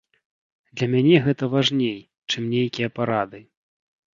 Для мяне гэта важней, чым нейкія парады.